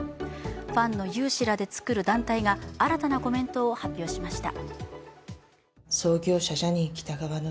ファンの有志らで作る団体が新たなコメントを発表しました。